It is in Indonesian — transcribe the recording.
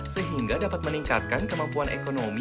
sehingga dapat meningkatkan kemampuan ekonomi